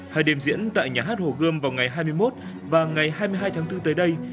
hai đêm diễn tại nhà hát hồ gươm vào ngày hai mươi một và ngày hai mươi hai tháng bốn tới đây